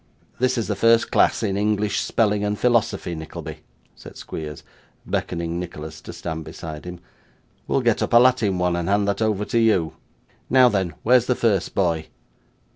'This is the first class in English spelling and philosophy, Nickleby,' said Squeers, beckoning Nicholas to stand beside him. 'We'll get up a Latin one, and hand that over to you. Now, then, where's the first boy?